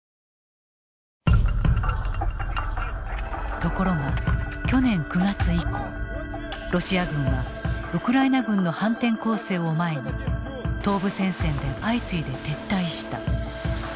ところが去年９月以降ロシア軍はウクライナ軍の反転攻勢を前に東部戦線で相次いで撤退した。